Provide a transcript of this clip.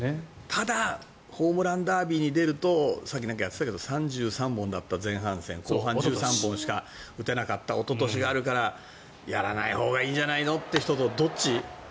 ただホームランダービーに出るとさっきやってたけど３３本だった前半戦後半１３本しか打てなかったおととしがあるからやらないほうがいいんじゃないの？という人とどっち？